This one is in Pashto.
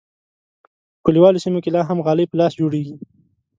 په کلیوالو سیمو کې لا هم غالۍ په لاس جوړیږي.